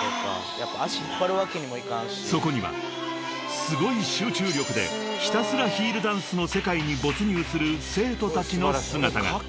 ［そこにはすごい集中力でひたすらヒールダンスの世界に没入する生徒たちの姿が］